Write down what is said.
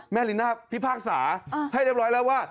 แม่รีน่าพี่ภาคสาให้เรียบร้อยแล้วว่า